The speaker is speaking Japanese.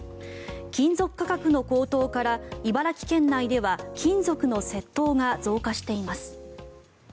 金属価格の高騰から茨城県内では金属の窃盗が増加しています。